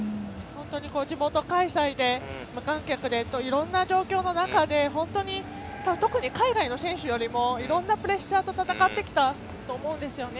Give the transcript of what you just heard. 地元開催で無観客でといろんな状況の中で特に海外の選手よりいろんなプレッシャーと戦ってきたと思うんですよね。